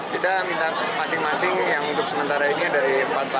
kita minta masing masing yang untuk sementara ini ada empat empat ada tiga